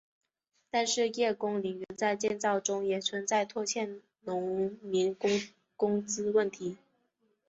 但是叶公陵园在建造中也存在拖欠农民工工资问题。